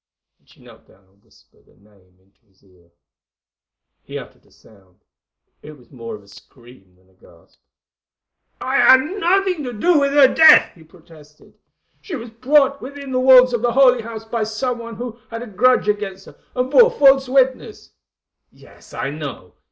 And she knelt down and whispered a name into his ear. He uttered a sound—it was more of a scream than a gasp. "I had nothing to do with her death," he protested. "She was brought within the walls of the Holy House by some one who had a grudge against her and bore false witness." "Yes, I know.